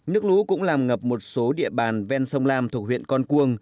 nước lũ cũng làm ngập một số địa bàn ven sông lam thuộc huyện con cuông